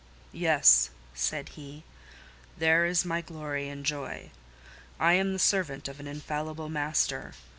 "Yes," said he, "there is my glory and joy. I am the servant of an infallible Master.